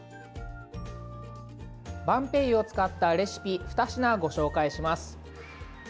ばんぺいゆを使ったレシピ２品ご紹介します。